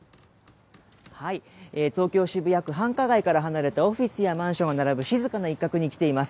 東京・渋谷区、繁華街から離れたオフィスやマンションが並ぶ静かな一角に来ています。